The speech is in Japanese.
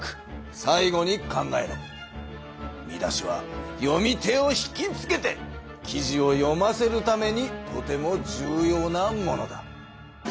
見出しは読み手を引きつけて記事を読ませるためにとても重要なものだ。